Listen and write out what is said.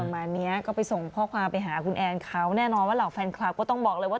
ประมาณนี้ก็ไปส่งข้อความไปหาคุณแอนเขาแน่นอนว่าเหล่าแฟนคลับก็ต้องบอกเลยว่า